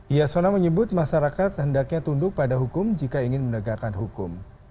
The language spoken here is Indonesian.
yasona menyebut masyarakat hendaknya tunduk pada hukum jika ingin menegakkan hukum